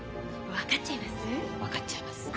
分かっちゃいます。